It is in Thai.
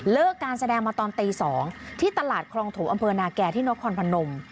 การแสดงมาตอนตี๒ที่ตลาดคลองโถอำเภอนาแก่ที่นครพนม